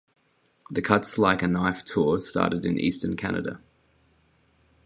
The Cuts Like a Knife tour started in eastern Canada.